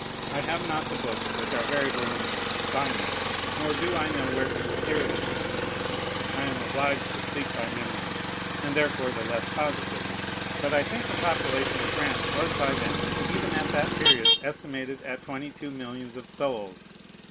I have not the books, which are very voluminous, by me, nor do I know where to procure them, (I am obliged to speak by memory, and therefore the less positively,) but I think the population of France was by them, even at that period, estimated at twenty two millions of souls.